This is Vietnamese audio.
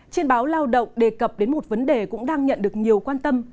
trên báo lao động đề cập đến một vấn đề cũng đang nhận được nhiều quan tâm